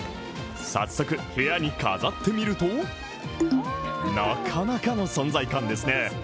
早速部屋に飾ってみるとなかなかの存在感ですね。